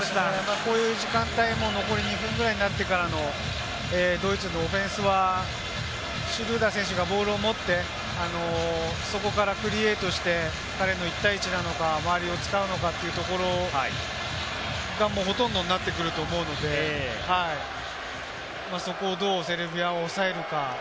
こういう時間帯も残り２分ぐらいになってからのドイツのオフェンスはシュルーダー選手がボールを持って、そこからクリエイトして、１対１なのか、周りを使うのかというところがほとんどになってくると思うので、そこをどうセルビアはおさえるか。